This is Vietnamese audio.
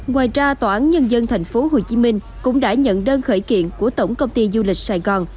ngoài ra tòa án nhân dân thành phố hồ chí minh cũng đã nhận đơn khởi kiện của tổng công ty du lịch sài gòn